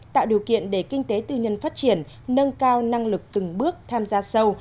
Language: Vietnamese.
tạo điều kiện để kinh tế tư nhân phát triển nâng cao năng lực từng bước tham gia sâu